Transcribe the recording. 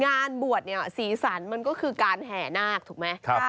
งานบวชเนี่ยสีสันมันก็คือการแห่นาคถูกไหม